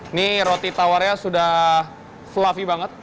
ini roti tawarnya sudah fluffy banget